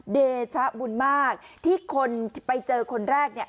เดชะบุญมากที่คนไปเจอคนแรกเนี่ย